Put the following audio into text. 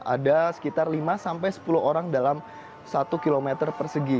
ada sekitar lima sampai sepuluh orang dalam satu km persegi